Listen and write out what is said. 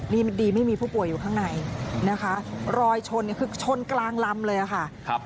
นี่มันดีไม่มีผู้ป่วยอยู่ข้างในนะคะรอยชนเนี่ยคือชนกลางลำเลยค่ะ